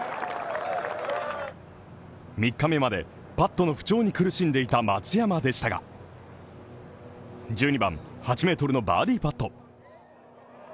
３日目までパットの不調に苦しんでいた松山でしたが、１２番８ｍのバーディーパット。